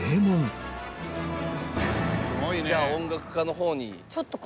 じゃあ音楽科の方に。